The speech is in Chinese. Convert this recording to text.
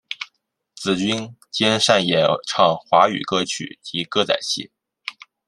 紫君兼擅演唱华语歌曲及歌仔戏。